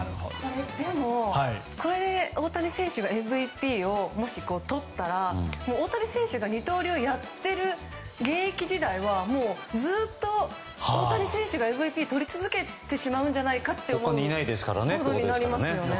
でも、これ大谷選手がＭＶＰをもしとったら大谷選手が二刀流をやっている現役時代はずっと大谷選手がＭＶＰを取り続けてしまうことになりますよね。